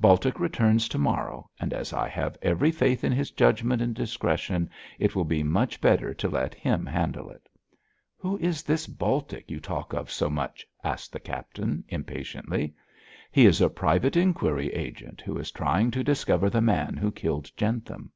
Baltic returns to morrow, and as I have every faith in his judgment and discretion, it will be much better to let him handle it.' 'Who is this Baltic you talk of so much?' asked the captain, impatiently. 'He is a private inquiry agent who is trying to discover the man who killed Jentham.'